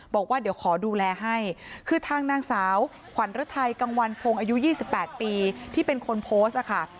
บอกว่าเดี๋ยวขอดูแลให้คือทางนางสาวขวัญฤทัยกังวันพงศ์อายุ๒๘ปีที่เป็นคนโพสต์ค่ะ